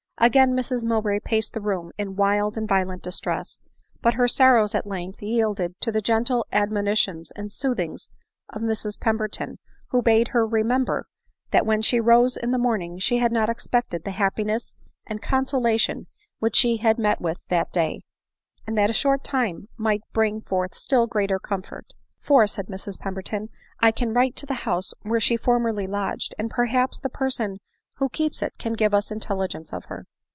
Again Mrs Mowbray paced the room in wild and vio lent distress; but her sorrows at length yielded to the gentle admonitions and sootbings of Mrs Pemberton, who bade her remember, that when she rose in the morning she had not expected the happiness and consolation which she had met with that day ; and that a short time might bring forth still greater comfort. " For," said Mrs Pemberton, " I can write to the house where she formerly lodged, and perhaps the person who keeps it can give us intelligence 01 her."